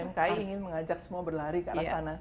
mki ingin mengajak semua berlari ke arah sana